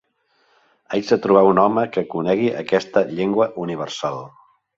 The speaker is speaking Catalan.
Haig de trobar un home que conegui aquesta llengua universal.